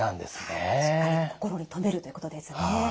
しっかりと心に留めるということですね。